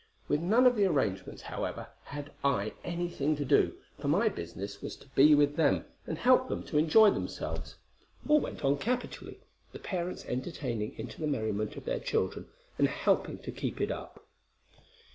With none of the arrangements, however, had I any thing to do; for my business was to be with them, and help them to enjoy themselves. All went on capitally; the parents entering into the merriment of their children, and helping to keep it up.